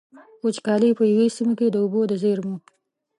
وچکالي په يوې سيمې کې د اوبو د زېرمو.